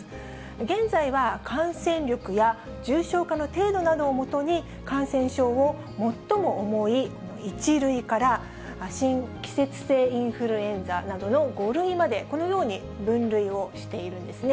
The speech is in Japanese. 現在は感染力や重症化の程度などをもとに、感染症を最も重い１類から季節性インフルエンザなどの５類まで、このように分類をしているんですね。